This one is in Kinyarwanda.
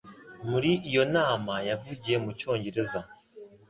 Muri iyo nama yavugiye mu Cyongereza.